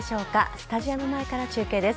スタジアム前から中継です。